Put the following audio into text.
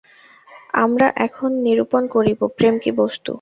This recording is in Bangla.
আমরা এখন নিরূপণ করিব, প্রেম কি বস্তু।